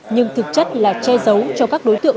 nhưng thực chất là che giấu cho các đối tượng